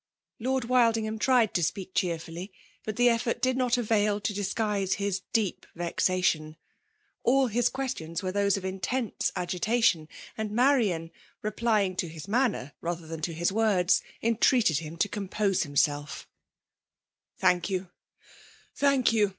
Lord Wildingham tried to speak cheerfully; but the effort did not avail to disguiae Ina deep vexation. All his questions tirere those of intense agitation ; and Marian, replying to Ills manner rather than to his words, entreated ium to compose hiniael£ ^' Thank you, thank you